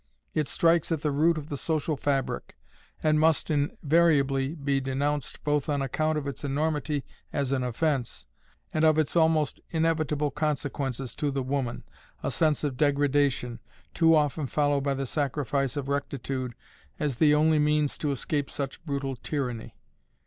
It strikes at the root of the social fabric, and must invariably be denounced both on account of its enormity as an offense, and of its almost inevitable consequences to the woman, a sense of degradation, too often followed by the sacrifice of rectitude as the only means to escape such brutal tyranny.